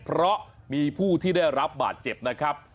เพราะมีผู้ที่ได้รับบาดเจ็บนะครับ